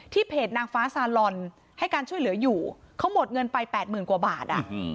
เพจนางฟ้าซาลอนให้การช่วยเหลืออยู่เขาหมดเงินไป๘๐๐๐กว่าบาท